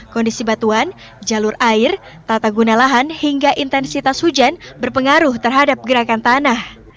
kondisi batuan jalur air tata guna lahan hingga intensitas hujan berpengaruh terhadap gerakan tanah